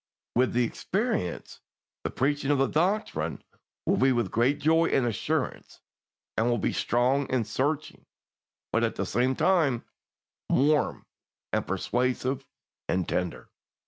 With the experience, the preaching of the doctrine will be with great joy and assurance, and will be strong and searching, but at the same time warm and persuasive and tender.